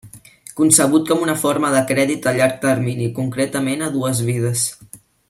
Concebut com una forma de crèdit a llarg termini, concretament a dues vides.